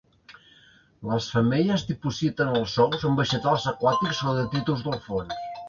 Les femelles dipositen els ous en vegetals aquàtics o detritus del fons.